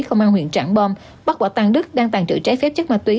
công an huyện tráng bom bắt bỏ tăng đức đang tàn trự trái phép chất ma túy